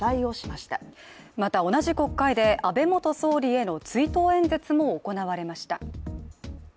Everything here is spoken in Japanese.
また、同じ国会で安倍元総理への追悼演説も行われました。